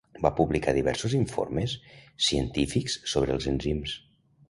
Va publicar diversos informes científics sobre els enzims.